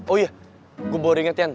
oh iya gue baru inget yaan